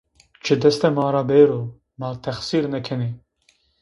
Çi destê ma ra bêro, ma texsîr nêkenê.